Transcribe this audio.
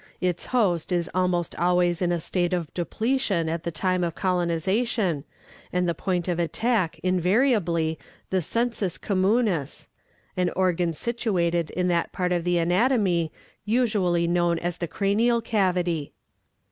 Its host is almost always in a state of depletion at the time of colonization, and the point of attack invariably the sensus communis, an organ situated in that part of the anatomy usually known as the cranial cavity.